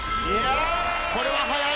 これは早い！